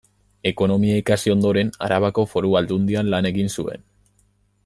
Ekonomia ikasi ondoren, Arabako Foru Aldundian lan egin zuen.